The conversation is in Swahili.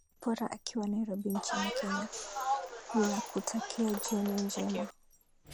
zipporah akiwa nairobi nchini kenya ninakutakia jioni njema